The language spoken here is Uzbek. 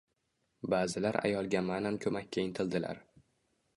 Ba`zilar ayolga ma`nan ko`makka intildilar